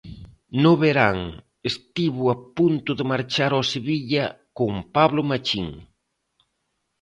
No verán estivo a punto de marchar ao Sevilla con Pablo Machín.